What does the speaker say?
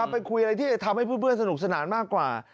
ไปคุยอะไรที่จะทำให้เพื่อนสนุกสนานมากกว่า